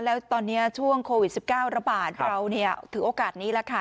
แล้วตอนนี้ช่วงโควิด๑๙ระบาดเราถือโอกาสนี้แล้วค่ะ